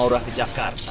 anakku di jakarta